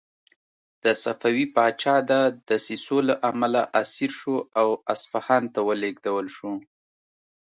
د صفوي پاچا د دسیسو له امله اسیر شو او اصفهان ته ولېږدول شو.